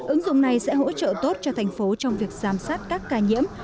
ứng dụng này sẽ hỗ trợ tốt cho thành phố trong việc giám sát các ca nhiễm